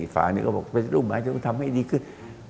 ข้างนี้บอกเป็นแต่รูปไม่จนจะทำให้ดีขึ้น